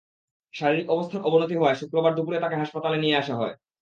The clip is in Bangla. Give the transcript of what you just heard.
শারীরিক অবস্থার অবনতি হওয়ায় শুক্রবার দুপুরে তাঁকে হাসপাতালে নিয়ে আসা হয়।